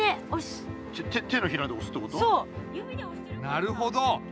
なるほど！